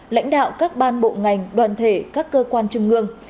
lãnh đạo các ban bộ ngành đoàn thể các cơ quan trung ương